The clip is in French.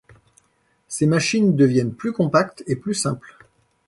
Ces machines deviennent plus compactes et plus simples.